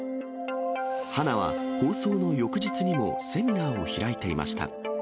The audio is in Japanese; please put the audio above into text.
花は放送の翌日にもセミナーを開いていました。